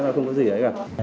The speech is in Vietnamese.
và không có gì ấy cả